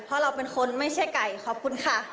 เพราะเราเป็นคนไม่ใช่ไก่ขอบคุณค่ะ